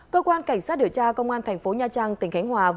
cơ quan cảnh sát điều tra công an tp nha trang tỉnh khánh hòa